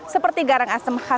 seperti garam kacang dan kacang